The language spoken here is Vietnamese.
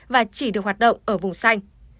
và chỉ được hoạt động ở vùng xanh